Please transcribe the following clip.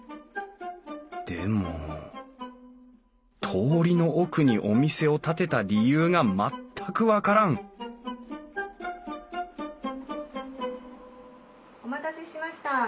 でも通りの奥にお店を建てた理由が全く分からんお待たせしました。